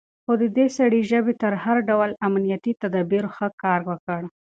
خو د دې سړي ژبې تر هر ډول امنيتي تدابيرو ښه کار وکړ.